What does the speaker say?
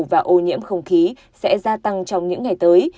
và ô nhiễm không khí sẽ gia tăng trong những ngày tới